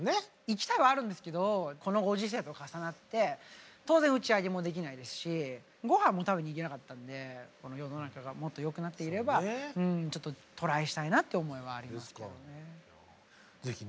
行きたいはあるんですけどこのご時世と重なって当然打ち上げもできないですしごはんも食べに行けなかったので世の中がもっとよくなっていればちょっとトライしたいなって思いはありますけど。